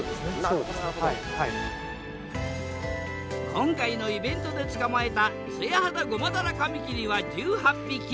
今回のイベントで捕まえたツヤハダゴマダラカミキリは１８匹。